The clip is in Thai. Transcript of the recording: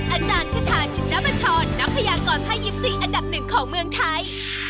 อาจารย์ขิภาชินภาชลนักพยากรไพยิปซีอันดับ๑ของเมืองไทย